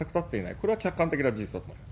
これが客観的な事実だと思います。